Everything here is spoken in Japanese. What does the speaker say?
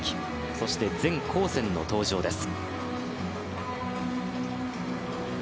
そして全紅嬋の登場です。